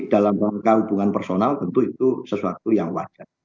dalam rangka hubungan personal tentu itu sesuatu yang wajar